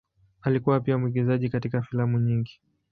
Alikuwa pia mwigizaji katika filamu nyingi.